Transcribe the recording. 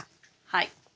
はい。